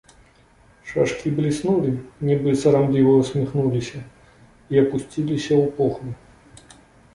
Шашкі бліснулі, нібы сарамліва ўсміхнуліся, і апусціліся ў похвы.